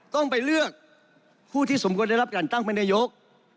ต้องไปเลือกผู้ที่สมควรได้รับการตั้งเป็นนายก